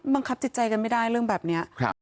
บังคับจิตใจกันไม่ได้เรื่องแบบนี้